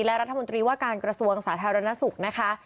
และรัฐมนตรีว่าการกระทรวงสาธารณสุขนะคะ